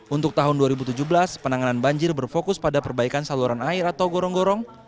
untuk tahun dua ribu tujuh belas penanganan banjir berfokus pada perbaikan saluran air atau gorong gorong